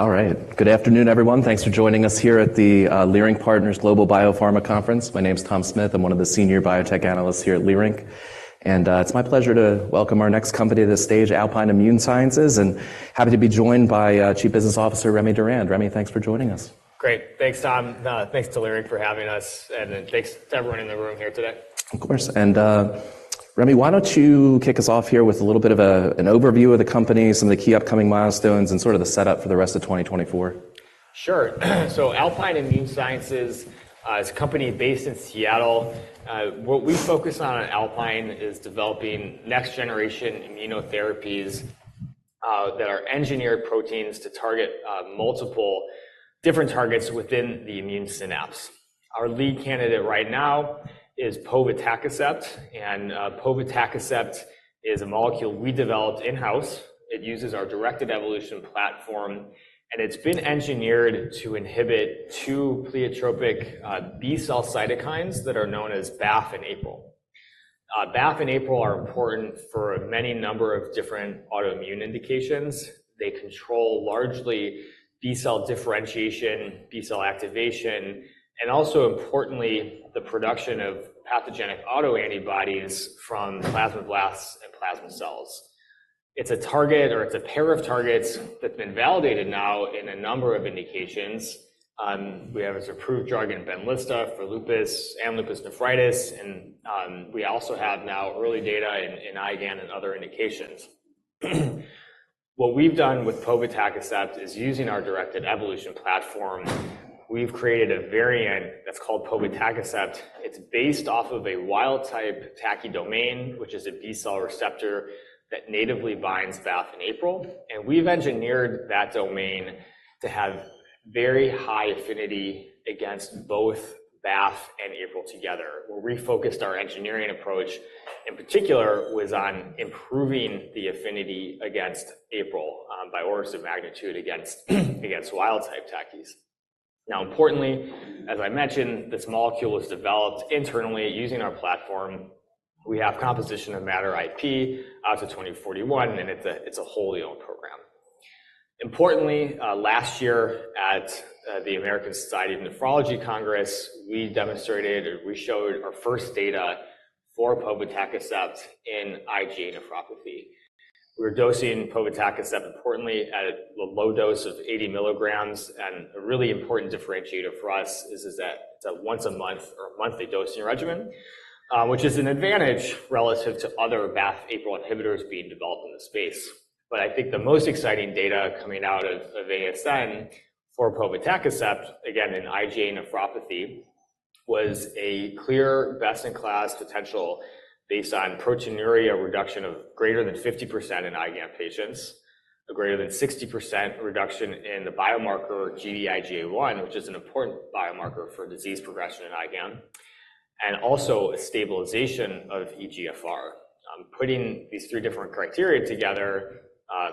All right. Good afternoon, everyone. Thanks for joining us here at the Leerink Partners Global Biopharma Conference. My name's Tom Smith. I'm one of the senior biotech analysts here at Leerink. It's my pleasure to welcome our next company to the stage, Alpine Immune Sciences, and happy to be joined by Chief Business Officer Remy Durand. Remy, thanks for joining us. Great. Thanks, Tom. Thanks to Leerink for having us, and then thanks to everyone in the room here today. Of course. And, Remy, why don't you kick us off here with a little bit of an overview of the company, some of the key upcoming milestones, and sort of the setup for the rest of 2024? Sure. So Alpine Immune Sciences is a company based in Seattle. What we focus on at Alpine is developing next-generation immunotherapies that are engineered proteins to target multiple different targets within the immune synapse. Our lead candidate right now is povetacicept, and povetacicept is a molecule we developed in-house. It uses our directed evolution platform, and it's been engineered to inhibit two pleiotropic B-cell cytokines that are known as BAFF and APRIL. BAFF and APRIL are important for many number of different autoimmune indications. They control largely B-cell differentiation, B-cell activation, and also importantly the production of pathogenic autoantibodies from plasmablasts and plasma cells. It's a target, or it's a pair of targets, that's been validated now in a number of indications. We have its approved drug in Benlysta for lupus and lupus nephritis, and we also have now early data in IgAN and other indications. What we've done with povetacicept is using our directed evolution platform. We've created a variant that's called povetacicept. It's based off of a wild-type TACI domain, which is a B-cell receptor that natively binds BAFF and APRIL, and we've engineered that domain to have very high affinity against both BAFF and APRIL together. Where we focused our engineering approach, in particular, was on improving the affinity against APRIL, by orders of magnitude against wild-type TACIs. Now, importantly, as I mentioned, this molecule was developed internally using our platform. We have composition of matter IP out to 2041, and it's a, it's a wholly owned program. Importantly, last year at, the American Society of Nephrology Congress, we demonstrated, or we showed our first data for povetacicept in IgA nephropathy. We were dosing povetacicept, importantly, at a low dose of 80 mg, and a really important differentiator for us is that. A once-a-month or monthly dosing regimen, which is an advantage relative to other BAFF/APRIL inhibitors being developed in the space. But I think the most exciting data coming out of ASN for povetacicept, again, in IgA nephropathy, was a clear best-in-class potential based on proteinuria reduction of greater than 50% in IgAN patients, a greater than 60% reduction in the biomarker Gd-IgA1, which is an important biomarker for disease progression in IgAN, and also a stabilization of eGFR. Putting these three different criteria together,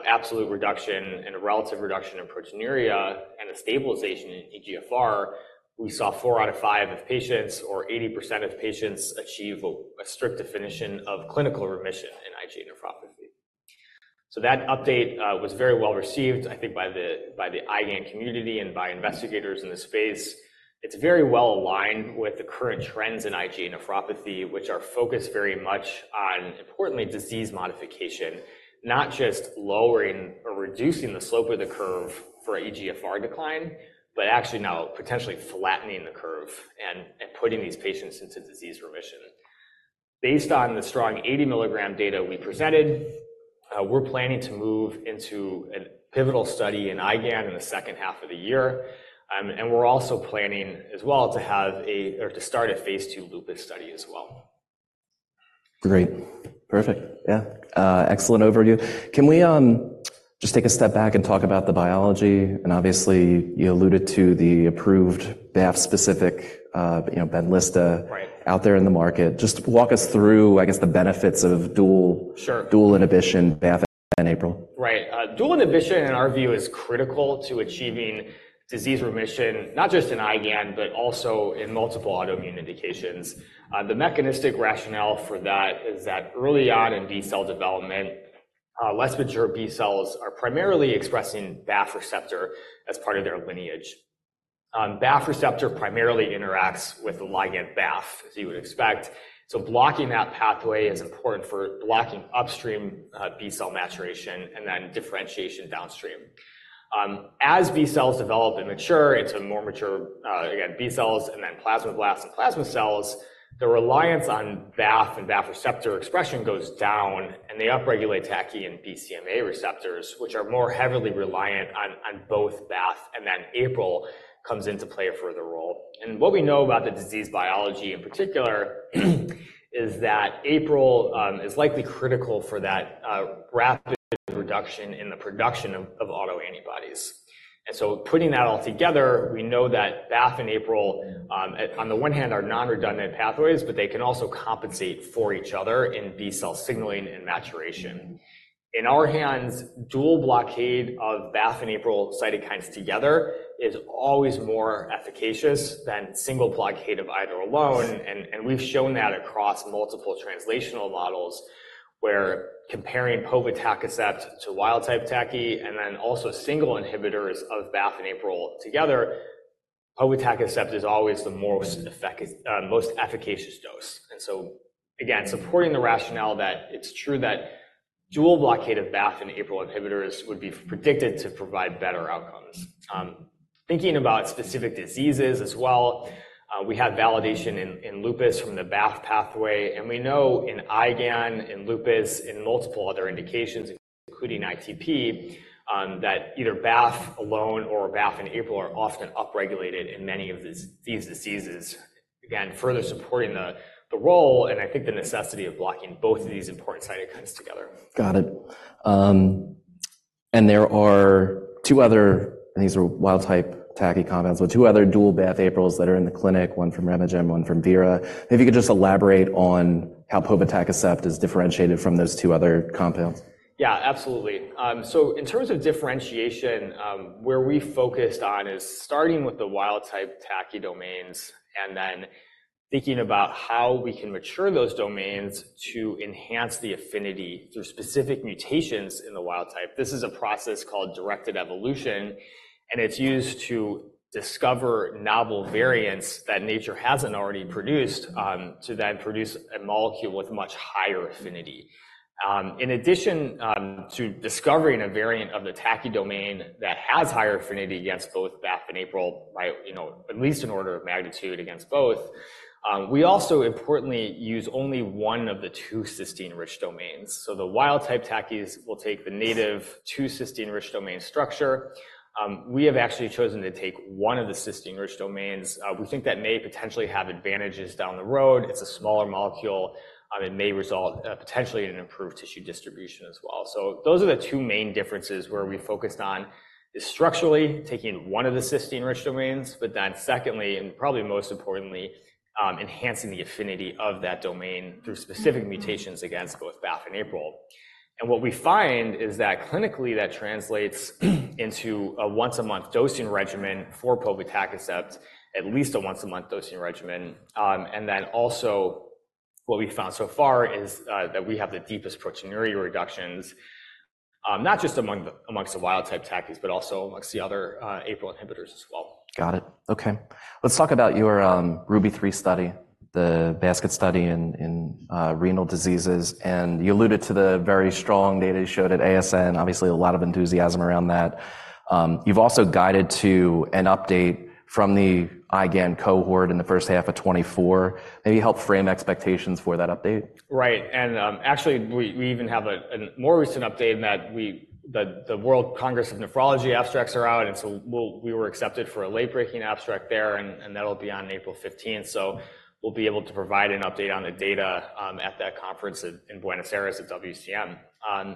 absolute reduction and a relative reduction in proteinuria and a stabilization in eGFR, we saw 4 out of 5 of patients, or 80% of patients, achieve a strict definition of clinical remission in IgA nephropathy. So that update was very well received, I think, by the IgAN community and by investigators in the space. It's very well aligned with the current trends in IgA nephropathy, which are focused very much on, importantly, disease modification, not just lowering or reducing the slope of the curve for eGFR decline, but actually now potentially flattening the curve and putting these patients into disease remission. Based on the strong 80 mg data we presented, we're planning to move into a pivotal study in IgAN in the second half of the year. We're also planning as well to start a phase II lupus study as well. Great. Perfect. Yeah. Excellent overview. Can we just take a step back and talk about the biology? And obviously, you alluded to the approved BAFF-specific, you know, Benlysta. Right. Out there in the market. Just walk us through, I guess, the benefits of dual. Sure. Dual inhibition, BAFF and APRIL. Right. Dual inhibition, in our view, is critical to achieving disease remission, not just in IgAN but also in multiple autoimmune indications. The mechanistic rationale for that is that early on in B-cell development, less mature B-cells are primarily expressing BAFF receptor as part of their lineage. BAFF receptor primarily interacts with the ligand BAFF, as you would expect. So blocking that pathway is important for blocking upstream, B-cell maturation and then differentiation downstream. As B-cells develop and mature into more mature, again, B-cells and then plasma blasts and plasma cells, the reliance on BAFF and BAFF receptor expression goes down, and they upregulate TACI and BCMA receptors, which are more heavily reliant on, on both BAFF, and then APRIL comes into play a further role. What we know about the disease biology, in particular, is that APRIL is likely critical for that rapid reduction in the production of, of autoantibodies. So putting that all together, we know that BAFF and APRIL, on the one hand are non-redundant pathways, but they can also compensate for each other in B-cell signaling and maturation. In our hands, dual blockade of BAFF and APRIL cytokines together is always more efficacious than single blockade of either alone, and, and we've shown that across multiple translational models where comparing povetacicept to wild-type TACI and then also single inhibitors of BAFF and APRIL together, povetacicept is always the most efficacious, most efficacious dose. So, again, supporting the rationale that it's true that dual blockade of BAFF and APRIL inhibitors would be predicted to provide better outcomes. Thinking about specific diseases as well, we have validation in lupus from the BAFF pathway, and we know in IgAN, in lupus, in multiple other indications, including ITP, that either BAFF alone or BAFF and APRIL are often upregulated in many of these diseases, again, further supporting the role and I think the necessity of blocking both of these important cytokines together. Got it. There are two other I think these are wild-type TACI compounds, but two other dual BAFF/APRILs that are in the clinic, one from RemeGen, one from Vera. Maybe you could just elaborate on how povetacicept is differentiated from those two other compounds. Yeah, absolutely. So in terms of differentiation, where we focused on is starting with the wild-type TACI domains and then thinking about how we can mature those domains to enhance the affinity through specific mutations in the wild-type. This is a process called directed evolution, and it's used to discover novel variants that nature hasn't already produced, to then produce a molecule with much higher affinity. In addition, to discovering a variant of the TACI domain that has higher affinity against both BAFF and APRIL by, you know, at least an order of magnitude against both, we also, importantly, use only one of the two cysteine-rich domains. So the wild-type TACIs will take the native two cysteine-rich domain structure. We have actually chosen to take one of the cysteine-rich domains. We think that may potentially have advantages down the road. It's a smaller molecule, it may result, potentially in an improved tissue distribution as well. So those are the two main differences where we focused on is structurally taking one of the cysteine-rich domains, but then secondly, and probably most importantly, enhancing the affinity of that domain through specific mutations against both BAFF and APRIL. And what we find is that clinically that translates into a once-a-month dosing regimen for povetacicept, at least a once-a-month dosing regimen, and then also what we found so far is, that we have the deepest proteinuria reductions, not just among the wild-type TACIs but also amongst the other, APRIL inhibitors as well. Got it. Okay. Let's talk about your RUBY-3 study, the basket study in renal diseases. You alluded to the very strong data you showed at ASN, obviously a lot of enthusiasm around that. You've also guided to an update from the IgAN cohort in the first half of 2024. Maybe help frame expectations for that update? Right. And, actually, we even have a more recent update in that the World Congress of Nephrology abstracts are out, and so we were accepted for a late-breaking abstract there, and that'll be on April 15th. So we'll be able to provide an update on the data at that conference in Buenos Aires at WCN.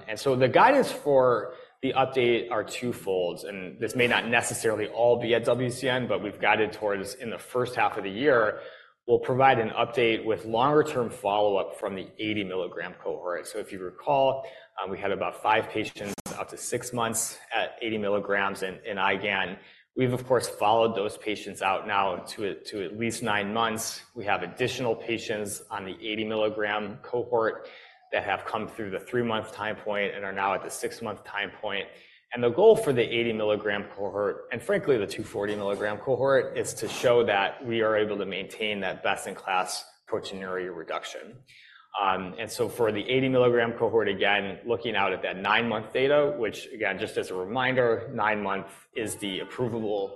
And so the guidance for the update are twofold, and this may not necessarily all be at WCN, but we've guided towards in the first half of the year, we'll provide an update with longer-term follow-up from the 80 milligram cohort. So if you recall, we had about 5 patients up to 6 months at 80 milligrams in IgAN. We've, of course, followed those patients out now to at least 9 months. We have additional patients on the 80 milligram cohort that have come through the 3-month time point and are now at the 6-month time point. The goal for the 80 milligram cohort and frankly, the 240 milligram cohort is to show that we are able to maintain that best-in-class proteinuria reduction. For the 80 milligram cohort, again, looking out at that 9-month data, which, again, just as a reminder, 9 months is the approvable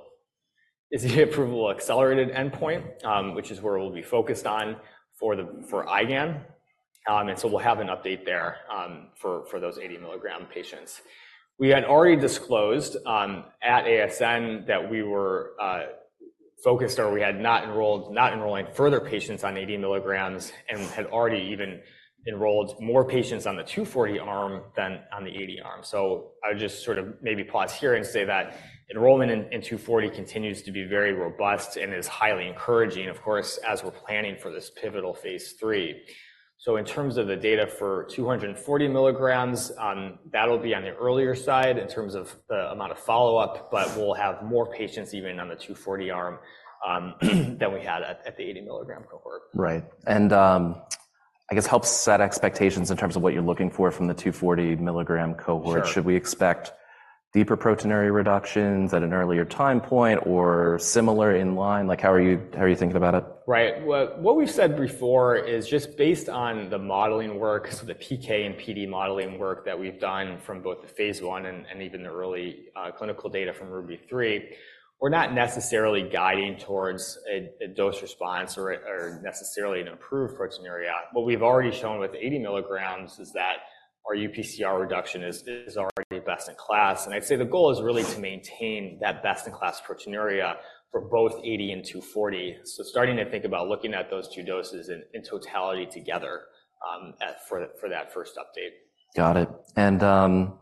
is the approval accelerated endpoint, which is where we'll be focused on for the for IgAN. We'll have an update there, for, for those 80 milligram patients. We had already disclosed, at ASN that we were, focused or we had not enrolled not enrolling further patients on 80 milligrams and had already even enrolled more patients on the 240 arm than on the 80 arm. So I would just sort of maybe pause here and say that enrollment in 240 continues to be very robust and is highly encouraging, of course, as we're planning for this pivotal phase III. So in terms of the data for 240 milligrams, that'll be on the earlier side in terms of the amount of follow-up, but we'll have more patients even on the 240 arm, than we had at the 80 milligram cohort. Right. I guess, help set expectations in terms of what you're looking for from the 240 milligram cohort. Sure. Should we expect deeper proteinuria reductions at an earlier time point or similar in line? Like, how are you thinking about it? Right. What we've said before is just based on the modeling work, so the PK and PD modeling work that we've done from both the phase I and even the early clinical data from RUBY-3, we're not necessarily guiding towards a dose response or necessarily an improved proteinuria. What we've already shown with 80 milligrams is that our UPCR reduction is already best-in-class. And I'd say the goal is really to maintain that best-in-class proteinuria for both 80 and 240, so starting to think about looking at those two doses in totality together, for that first update. Got it. And, could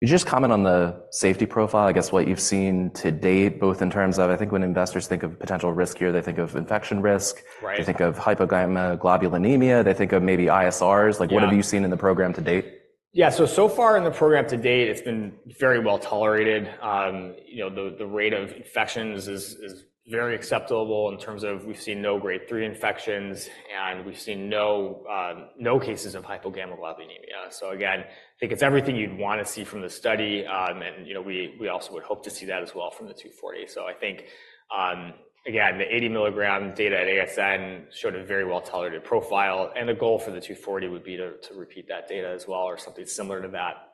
you just comment on the safety profile, I guess, what you've seen to date, both in terms of I think when investors think of potential risk here, they think of infection risk? Right. They think of hypogammaglobulinemia. They think of maybe ISRs. Like, what have you seen in the program to date? Yeah. So far in the program to date, it's been very well tolerated. You know, the rate of infections is very acceptable in terms of we've seen no grade III infections, and we've seen no cases of hypogammaglobulinemia. So again, I think it's everything you'd want to see from the study, and you know, we also would hope to see that as well from the 240. So I think, again, the 80 mg data at ASN showed a very well-tolerated profile, and the goal for the 240 would be to repeat that data as well or something similar to that.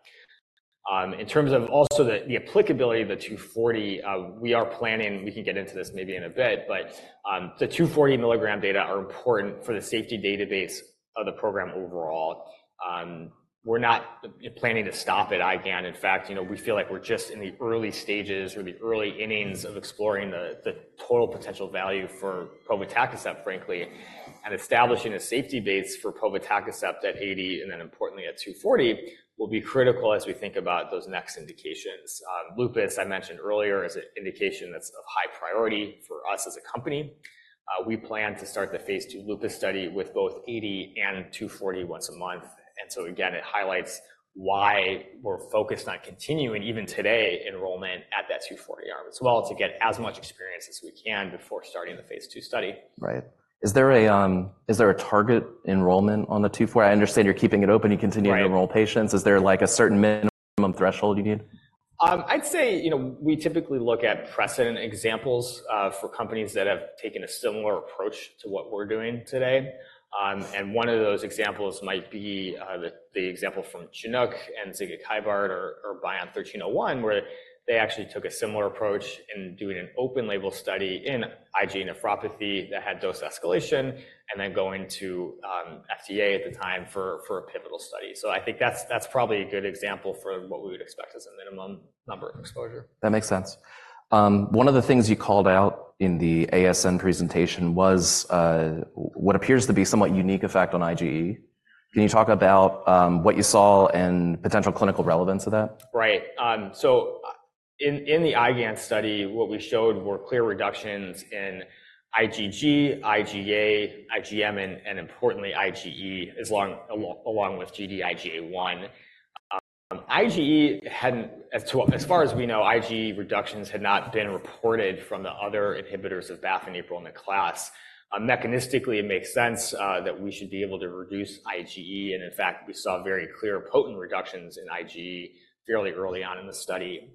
In terms of also the applicability of the 240, we are planning we can get into this maybe in a bit, but the 240 mg data are important for the safety database of the program overall. We're not planning to stop at IgAN. In fact, you know, we feel like we're just in the early stages or the early innings of exploring the total potential value for povetacicept, frankly, and establishing a safety base for povetacicept at 80 and then, importantly, at 240 will be critical as we think about those next indications. Lupus, I mentioned earlier, is an indication that's of high priority for us as a company. We plan to start the phase II lupus study with both 80 and 240 once a month. So again, it highlights why we're focused on continuing even today enrollment at that 240 arm as well to get as much experience as we can before starting the phase II study. Right. Is there a target enrollment on the 240? I understand you're keeping it open. You continue to enroll patients. Yeah. Is there, like, a certain minimum threshold you need? I'd say, you know, we typically look at precedent examples for companies that have taken a similar approach to what we're doing today. One of those examples might be the example from Chinook and zigakibart or BION-1301 where they actually took a similar approach in doing an open-label study in IgA nephropathy that had dose escalation and then going to FDA at the time for a pivotal study. So I think that's probably a good example for what we would expect as a minimum number of exposure. That makes sense. One of the things you called out in the ASN presentation was what appears to be somewhat unique effect on IgE. Can you talk about what you saw and potential clinical relevance of that? Right. So, in the IgAN study, what we showed were clear reductions in IgG, IgA, IgM, and importantly, IgE, as well as Gd-IgA1. As far as we know, IgE reductions had not been reported from the other inhibitors of BAFF and APRIL in the class. Mechanistically, it makes sense that we should be able to reduce IgE. And in fact, we saw very clear potent reductions in IgE fairly early on in the study.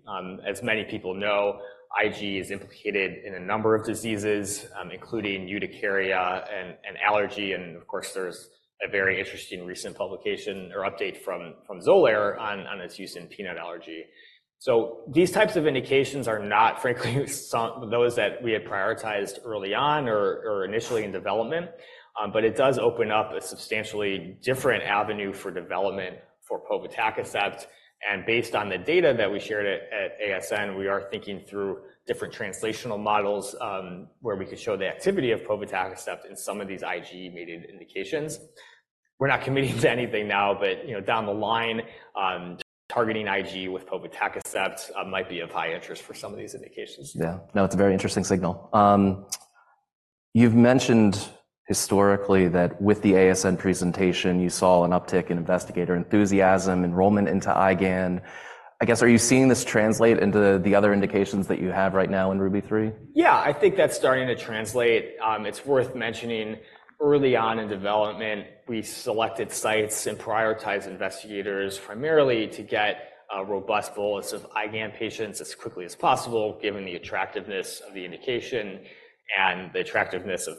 As many people know, IgE is implicated in a number of diseases, including urticaria and allergy. And of course, there's a very interesting recent publication or update from Xolair on its use in peanut allergy. So these types of indications are not, frankly, some those that we had prioritized early on or, or initially in development, but it does open up a substantially different avenue for development for povetacicept. And based on the data that we shared at, at ASN, we are thinking through different translational models, where we could show the activity of povetacicept in some of these IgE-mediated indications. We're not committing to anything now, but, you know, down the line, targeting IgE with povetacicept, might be of high interest for some of these indications. Yeah. No, it's a very interesting signal. You've mentioned historically that with the ASN presentation, you saw an uptick in investigator enthusiasm, enrollment into IgAN. I guess, are you seeing this translate into the other indications that you have right now in RUBY-3? Yeah. I think that's starting to translate. It's worth mentioning early on in development, we selected sites and prioritized investigators primarily to get a robust bolus of IgAN patients as quickly as possible given the attractiveness of the indication and the attractiveness of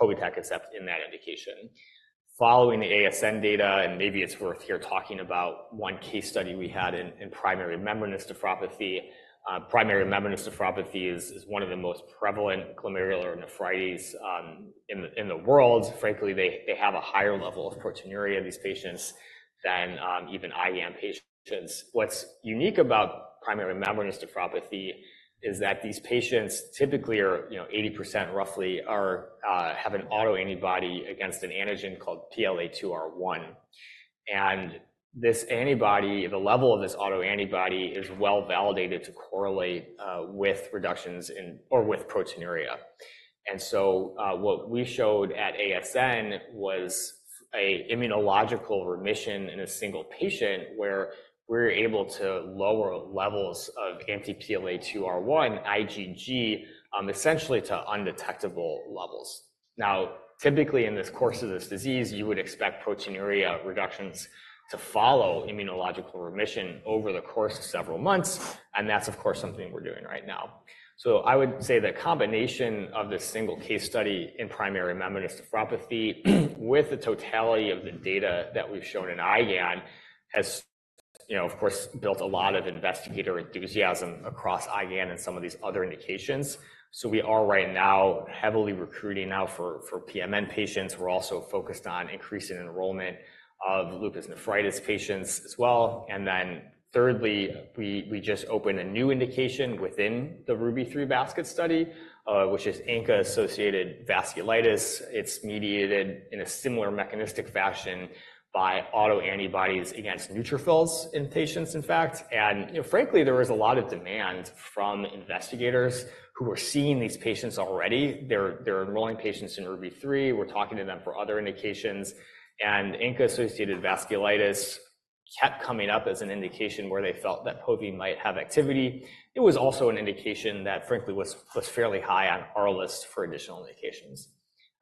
povetacicept in that indication. Following the ASN data and maybe it's worth here talking about one case study we had in primary membranous nephropathy. Primary membranous nephropathy is one of the most prevalent glomerular nephritides in the world. Frankly, they have a higher level of proteinuria in these patients than even IgAN patients. What's unique about primary membranous nephropathy is that these patients typically are, you know, roughly 80% have an autoantibody against an antigen called PLA2R. And this antibody the level of this autoantibody is well validated to correlate with reductions in or with proteinuria. So, what we showed at ASN was an immunological remission in a single patient where we were able to lower levels of anti-PLA2R IgG, essentially to undetectable levels. Now, typically in this course of this disease, you would expect proteinuria reductions to follow immunological remission over the course of several months. That's, of course, something we're doing right now. I would say the combination of this single case study in primary membranous nephropathy with the totality of the data that we've shown in IgAN has, you know, of course, built a lot of investigator enthusiasm across IgAN and some of these other indications. We are right now heavily recruiting for PMN patients. We're also focused on increasing enrollment of lupus nephritis patients as well. Then thirdly, we just opened a new indication within the RUBY-3 basket study, which is ANCA-associated vasculitis. It's mediated in a similar mechanistic fashion by autoantibodies against neutrophils in patients, in fact. You know, frankly, there was a lot of demand from investigators who were seeing these patients already. They're enrolling patients in RUBY-3. We're talking to them for other indications. And ANCA-associated vasculitis kept coming up as an indication where they felt that povetacicept might have activity. It was also an indication that, frankly, was fairly high on our list for additional indications.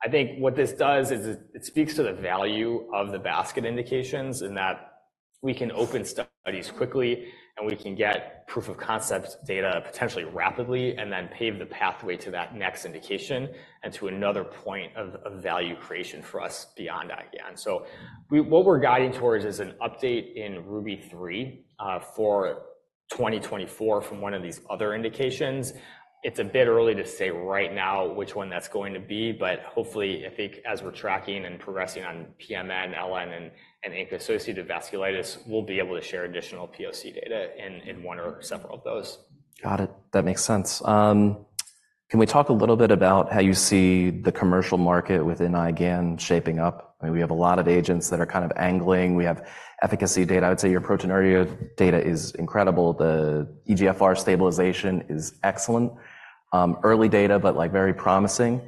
I think what this does is it speaks to the value of the basket indications in that we can open studies quickly, and we can get proof of concept data potentially rapidly and then pave the pathway to that next indication and to another point of value creation for us beyond IgAN. So, what we're guiding towards is an update in RUBY-3 for 2024 from one of these other indications. It's a bit early to say right now which one that's going to be, but hopefully, I think as we're tracking and progressing on PMN, LN, and ANCA-associated vasculitis, we'll be able to share additional POC data in one or several of those. Got it. That makes sense. Can we talk a little bit about how you see the commercial market within IgAN shaping up? I mean, we have a lot of agents that are kind of angling. We have efficacy data. I would say your proteinuria data is incredible. The eGFR stabilization is excellent. Early data, but, like, very promising.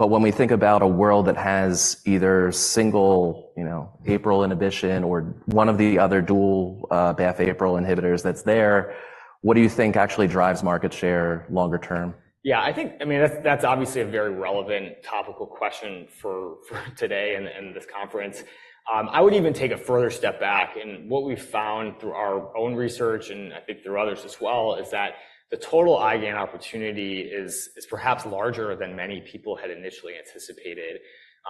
But when we think about a world that has either single, you know, APRIL inhibition or one of the other dual, BAFF-APRIL inhibitors that's there, what do you think actually drives market share longer term? Yeah. I think I mean, that's, that's obviously a very relevant topical question for, for today and, and this conference. I would even take a further step back. And what we've found through our own research and I think through others as well is that the total IgAN opportunity is, is perhaps larger than many people had initially anticipated.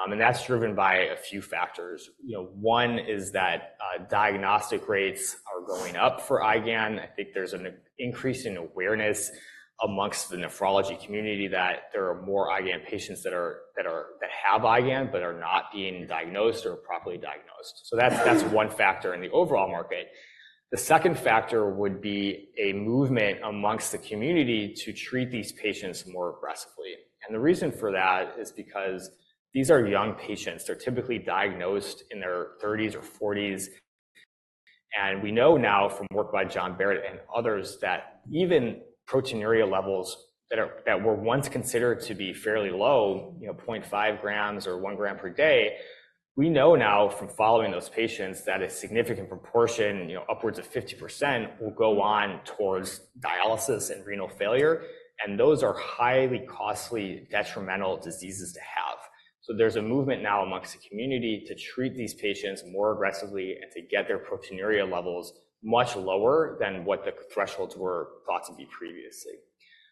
And that's driven by a few factors. You know, one is that, diagnostic rates are going up for IgAN. I think there's an increase in awareness amongst the nephrology community that there are more IgAN patients that are that are that have IgAN but are not being diagnosed or properly diagnosed. So that's, that's one factor in the overall market. The second factor would be a movement amongst the community to treat these patients more aggressively. And the reason for that is because these are young patients. They're typically diagnosed in their 30s or 40s. We know now from work by John Barratt and others that even proteinuria levels that were once considered to be fairly low, you know, 0.5 grams or one gram per day, we know now from following those patients that a significant proportion, you know, upwards of 50% will go on towards dialysis and renal failure. Those are highly costly, detrimental diseases to have. So there's a movement now amongst the community to treat these patients more aggressively and to get their proteinuria levels much lower than what the thresholds were thought to be previously.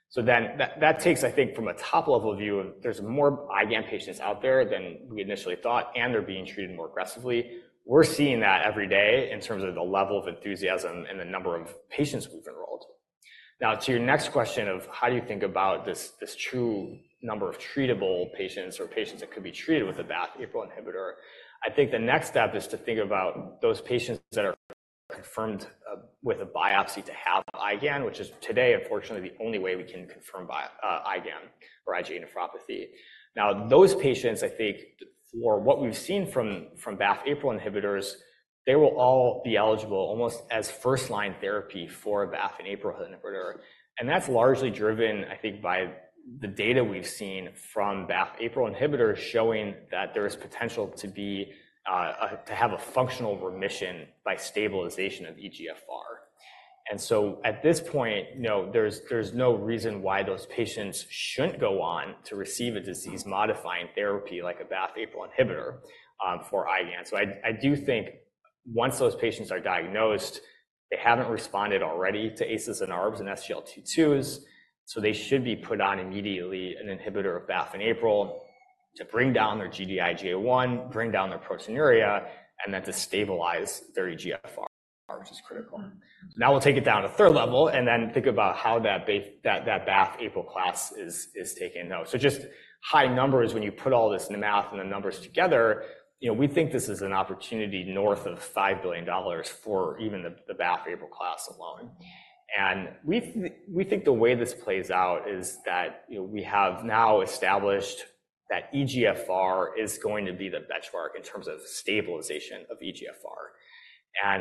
So then that takes, I think, from a top-level view, there's more IgAN patients out there than we initially thought, and they're being treated more aggressively. We're seeing that every day in terms of the level of enthusiasm and the number of patients we've enrolled. Now, to your next question of how do you think about this, this true number of treatable patients or patients that could be treated with a BAFF-APRIL inhibitor, I think the next step is to think about those patients that are confirmed, with a biopsy to have IgAN, which is today, unfortunately, the only way we can confirm the IgAN or IgA nephropathy. Now, those patients, I think, for what we've seen from, from BAFF-APRIL inhibitors, they will all be eligible almost as first-line therapy for a BAFF and APRIL inhibitor. And that's largely driven, I think, by the data we've seen from BAFF-APRIL inhibitors showing that there is potential to be, to have a functional remission by stabilization of eGFR. So at this point, you know, there's no reason why those patients shouldn't go on to receive a disease-modifying therapy like a BAFF-APRIL inhibitor, for IgAN. So I do think once those patients are diagnosed, they haven't responded already to ACEs and ARBs and SGLT2s, so they should be put on immediately an inhibitor of BAFF and APRIL to bring down their Gd-IgA1, bring down their proteinuria, and then to stabilize their eGFR, which is critical. Now, we'll take it down to third level and then think about how that BAFF-APRIL class is taken though. So just high numbers when you put all this in the math and the numbers together, you know, we think this is an opportunity north of $5 billion for even the BAFF-APRIL class alone. We think the way this plays out is that, you know, we have now established that eGFR is going to be the benchmark in terms of stabilization of eGFR.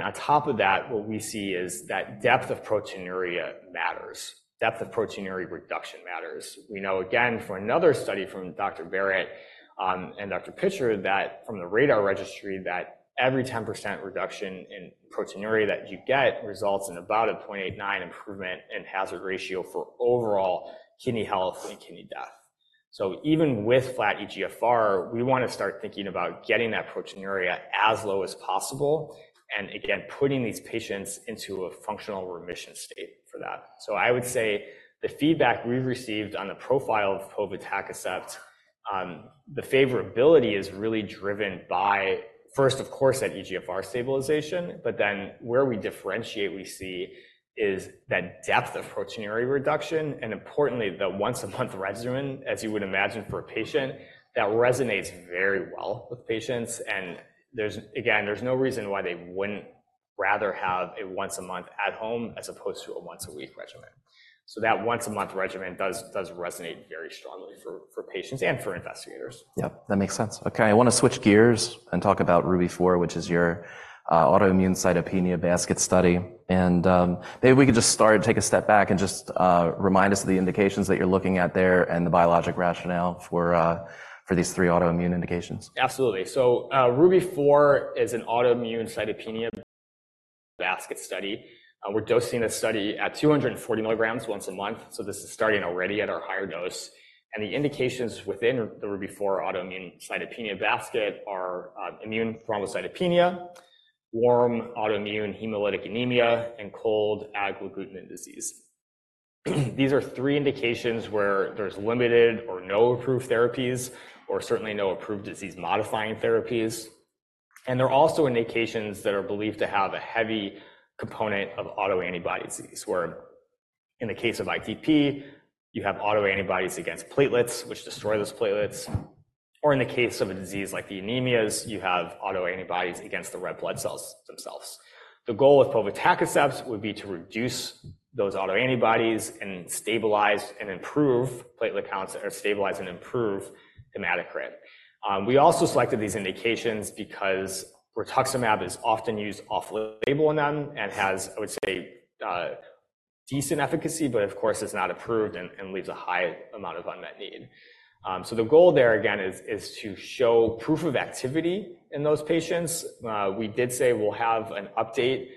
On top of that, what we see is that depth of proteinuria matters. Depth of proteinuria reduction matters. We know, again, from another study from Dr. Barratt, and Dr. Pitcher, that from the RaDaR registry, that every 10% reduction in proteinuria that you get results in about a 0.89 improvement in hazard ratio for overall kidney health and kidney death. So even with flat eGFR, we wanna start thinking about getting that proteinuria as low as possible and, again, putting these patients into a functional remission state for that. So I would say the feedback we've received on the profile of povetacicept, the favorability is really driven by, first, of course, that eGFR stabilization. But then where we differentiate, we see, is that depth of proteinuria reduction and importantly, the once-a-month regimen, as you would imagine for a patient, that resonates very well with patients. And there's no reason why they wouldn't rather have a once-a-month at home as opposed to a once-a-week regimen. So that once-a-month regimen does resonate very strongly for patients and for investigators. Yep. That makes sense. Okay. I wanna switch gears and talk about RUBY-4, which is your autoimmune cytopenia basket study. And, maybe we could just start take a step back and just remind us of the indications that you're looking at there and the biologic rationale for these three autoimmune indications. Absolutely. So, RUBY-4 is an autoimmune cytopenia basket study. We're dosing this study at 240 milligrams once a month. So this is starting already at our higher dose. And the indications within the RUBY-4 autoimmune cytopenia basket are immune thrombocytopenia, warm autoimmune hemolytic anemia, and cold agglutinin disease. These are three indications where there's limited or no approved therapies or certainly no approved disease-modifying therapies. And there are also indications that are believed to have a heavy component of autoantibody disease where in the case of ITP, you have autoantibodies against platelets, which destroy those platelets. Or in the case of a disease like the anemias, you have autoantibodies against the red blood cells themselves. The goal with povetacicept would be to reduce those autoantibodies and stabilize and improve platelet counts or stabilize and improve hematocrit. We also selected these indications because rituximab is often used off-label on them and has, I would say, decent efficacy, but of course, it's not approved and leaves a high amount of unmet need. So the goal there, again, is to show proof of activity in those patients. We did say we'll have an update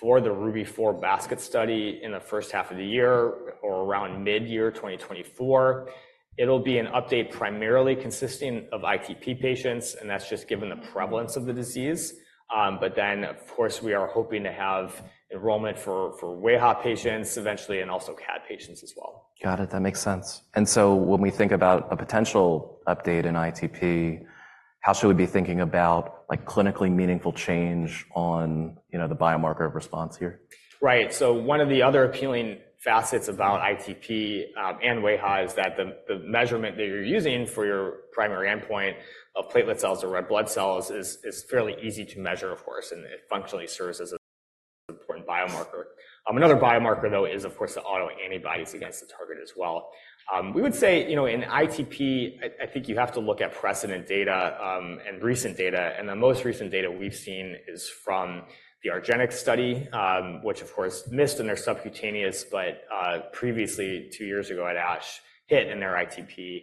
for the RUBY-4 basket study in the first half of the year or around mid-year 2024. It'll be an update primarily consisting of ITP patients. And that's just given the prevalence of the disease. But then, of course, we are hoping to have enrollment for WAIHA patients eventually and also CAD patients as well. Got it. That makes sense. And so when we think about a potential update in ITP, how should we be thinking about, like, clinically meaningful change on, you know, the biomarker response here? Right. So one of the other appealing facets about ITP and WAIHA is that the measurement that you're using for your primary endpoint of platelet cells or red blood cells is fairly easy to measure, of course, and it functionally serves as an important biomarker. Another biomarker, though, is, of course, the autoantibodies against the target as well. We would say, you know, in ITP, I think you have to look at precedent data and recent data. The most recent data we've seen is from the argenx study, which, of course, missed in their subcutaneous, but previously, two years ago at ASH, hit in their ITP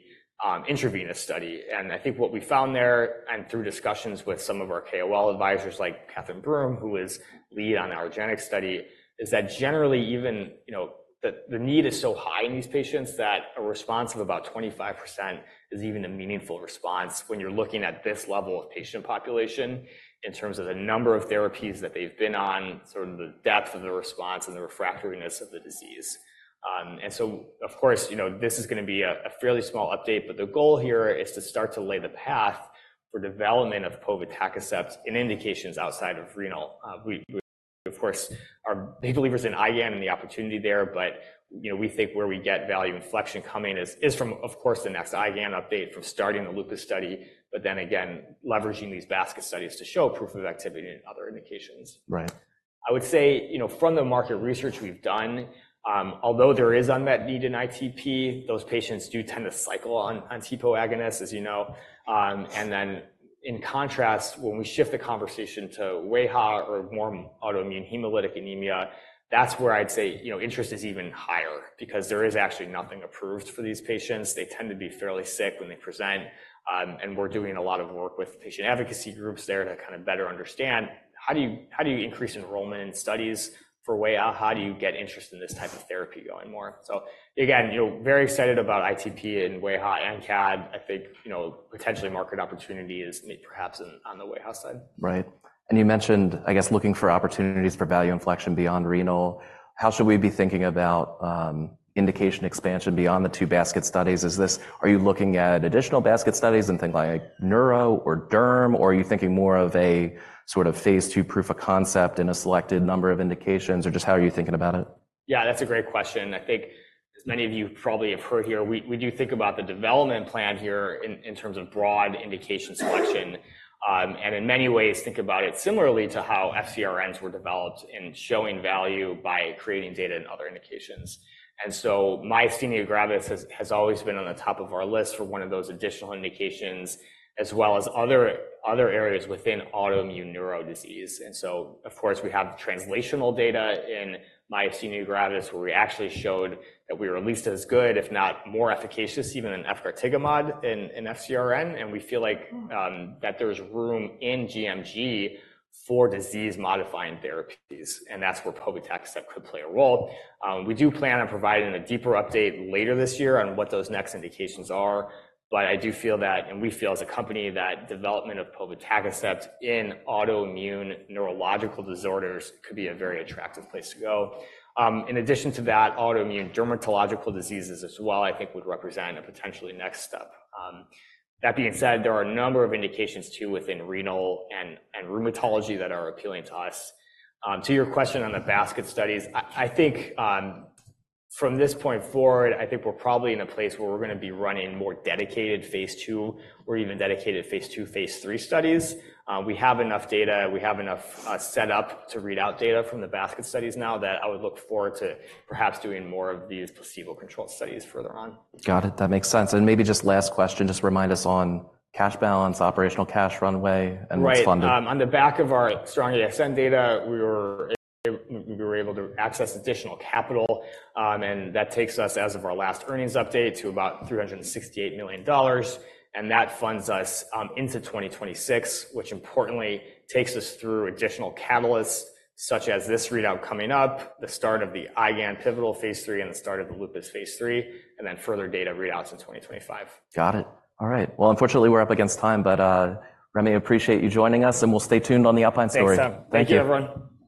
intravenous study. I think what we found there and through discussions with some of our KOL advisors like Catherine Broome, who is lead on the argenx study, is that generally, even, you know, the need is so high in these patients that a response of about 25% is even a meaningful response when you're looking at this level of patient population in terms of the number of therapies that they've been on, sort of the depth of the response and the refractoriness of the disease. And so, of course, you know, this is gonna be a fairly small update, but the goal here is to start to lay the path for development of povetacicept and indications outside of renal. We, of course, are big believers in IgAN and the opportunity there. But, you know, we think where we get value inflection coming is from, of course, the next IgAN update from starting the lupus study, but then again, leveraging these basket studies to show proof of activity in other indications. Right. I would say, you know, from the market research we've done, although there is unmet need in ITP, those patients do tend to cycle on, on TPO agonists, as you know. And then in contrast, when we shift the conversation to WAIHA or warm autoimmune hemolytic anemia, that's where I'd say, you know, interest is even higher because there is actually nothing approved for these patients. They tend to be fairly sick when they present. And we're doing a lot of work with patient advocacy groups there to kind of better understand how do you increase enrollment in studies for WAIHA? How do you get interest in this type of therapy going more? So again, you know, very excited about ITP and WAIHA and CAD. I think, you know, potentially market opportunity is perhaps on, on the WAIHA side. Right. And you mentioned, I guess, looking for opportunities for value inflection beyond renal. How should we be thinking about indication expansion beyond the two basket studies? Is this, are you looking at additional basket studies and things like neuro or derm, or are you thinking more of a sort of phase 2 proof of concept in a selected number of indications, or just how are you thinking about it? Yeah. That's a great question. I think as many of you probably have heard here, we do think about the development plan here in terms of broad indication selection, and in many ways, think about it similarly to how FcRns were developed in showing value by creating data and other indications. And so myasthenia gravis has always been on the top of our list for one of those additional indications as well as other areas within autoimmune neurodisease. And so, of course, we have translational data in myasthenia gravis where we actually showed that we were at least as good, if not more efficacious, even than efgartigimod in FcRn. And we feel like that there's room in gMG for disease-modifying therapies. And that's where povetacicept could play a role. We do plan on providing a deeper update later this year on what those next indications are. But I do feel that and we feel as a company that development of povetacicept in autoimmune neurological disorders could be a very attractive place to go. In addition to that, autoimmune dermatological diseases as well, I think, would represent a potentially next step. That being said, there are a number of indications too within renal and rheumatology that are appealing to us. To your question on the basket studies, I think, from this point forward, I think we're probably in a place where we're gonna be running more dedicated phase 2 or even dedicated phase 2, phase 3 studies. We have enough data. We have enough setup to read out data from the basket studies now that I would look forward to perhaps doing more of these placebo-controlled studies further on. Got it. That makes sense. And maybe just last question, just remind us on cash balance, operational cash runway, and what's funded? Right. On the back of our strong ASN data, we were able to access additional capital. That takes us, as of our last earnings update, to about $368 million. That funds us into 2026, which importantly takes us through additional catalysts such as this readout coming up, the start of the IgAN pivotal phase 3 and the start of the lupus phase 3, and then further data readouts in 2025. Got it. All right. Well, unfortunately, we're up against time, but, Remy, appreciate you joining us, and we'll stay tuned on the Alpine Story. Thanks, Tom. Thank you, everyone.